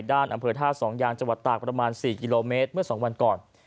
อำเภอท่าสองยางจังหวัดตากประมาณ๔กิโลเมตรเมื่อ๒วันก่อน